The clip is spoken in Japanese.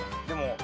でも。